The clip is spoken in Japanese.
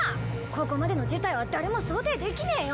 ここまでの事態は誰も想定できねえよ。